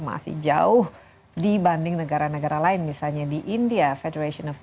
masih panjang perjalanan kita